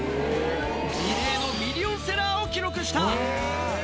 異例のミリオンセラーを記録した。